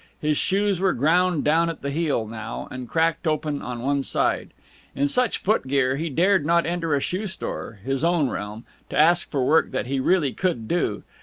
His shoes were ground down at the heel, now, and cracked open on one side. In such footgear he dared not enter a shoe store, his own realm, to ask for work that he really could do.